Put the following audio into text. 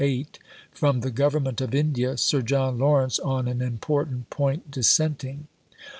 8) from the Government of India (Sir John Lawrence on an important point dissenting).